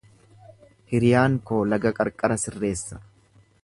Hiriyaan koo laga qarqara sirreessa.